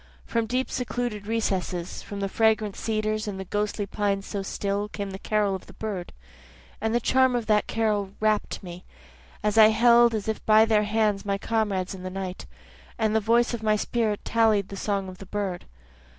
From deep secluded recesses, From the fragrant cedars and the ghostly pines so still, Came the carol of the bird. And the charm of the carol rapt me, As I held as if by their hands my comrades in the night, And the voice of my spirit tallied the song of the bird.